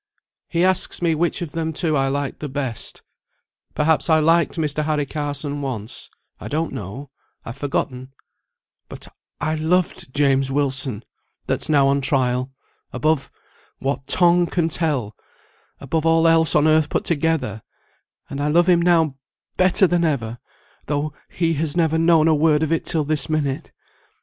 "He asks me which of them two I liked the best. Perhaps I liked Mr. Harry Carson once I don't know I've forgotten; but I loved James Wilson, that's now on trial, above what tongue can tell above all else on earth put together; and I love him now better than ever, though he has never known a word of it till this minute.